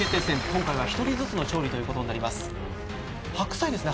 今回は１人ずつの調理ということになります白菜ですね